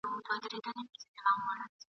تکرار یې د قلم تقدس ته سپکاوی دی !.